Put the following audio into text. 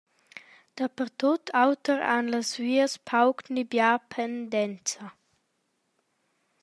Dapertut auter han las vias pauc ni bia pendenza.